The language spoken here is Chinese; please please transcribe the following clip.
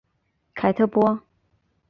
凯特波。